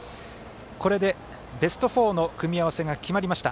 これで、ベスト４の組み合わせが決まりました。